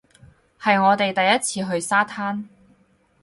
係我哋第一次去沙灘